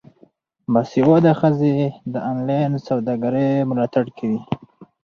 باسواده ښځې د انلاین سوداګرۍ ملاتړ کوي.